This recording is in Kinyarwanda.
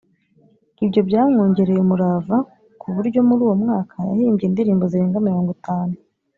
Ibyo byamwongereye umurava, ku buryo muri uwo mwaka yahimbye indirimbo zirenga mirongo itanu.